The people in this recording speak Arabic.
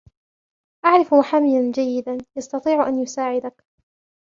اعرف محامياً جيداً يستطيع ان يساعدك.